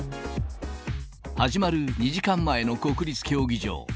始まる２時間前の国立競技場。